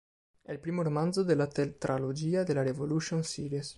È il primo romanzo della tetralogia della Revolution series.